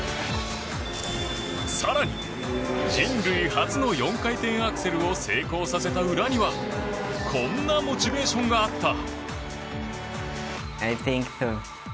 更に、人類初の４回転アクセルを成功させた裏にはこんなモチベーションがあった。